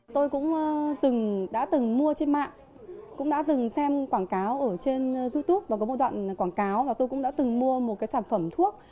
tôi cũng từng đã từng mua trên mạng cũng đã từng xem quảng cáo ở trên youtube và có một đoạn quảng cáo và tôi cũng đã từng mua một cái sản phẩm thuốc